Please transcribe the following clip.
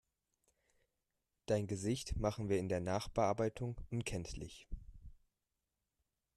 Dein Gesicht machen wir in der Nachbearbeitung unkenntlich.